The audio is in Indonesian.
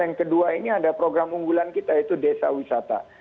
yang kedua ini ada program unggulan kita yaitu desa wisata